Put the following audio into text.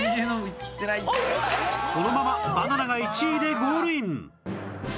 このままバナナが１位でゴールイン！